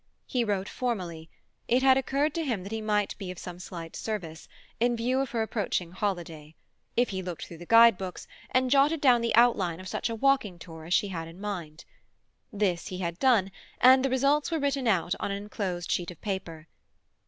He wrote formally; it had occurred to him that he might be of some slight service, in view of her approaching holiday, if he looked through the guide books, and jotted down the outline of such a walking tour as she had in mind. This he had done, and the results were written out on an enclosed sheet of paper.